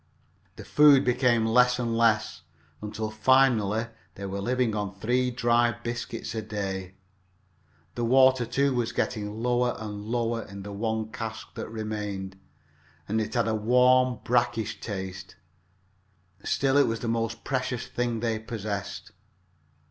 The food became less and less, until finally they were living on three dry biscuits a day each. The water, too, was getting lower and lower in the one cask that remained, and it had a warm, brackish taste. Still it was the most precious thing they possessed.